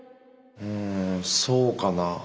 うんそうかな。